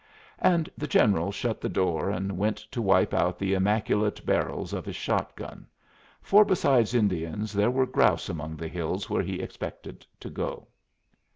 And the General shut the door and went to wipe out the immaculate barrels of his shot gun; for besides Indians there were grouse among the hills where he expected to go.